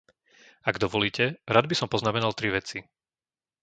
Ak dovolíte, rád by som poznamenal tri veci.